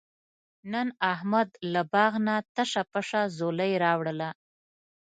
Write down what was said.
نن احمد له باغ نه تشه پشه ځولۍ راوړله.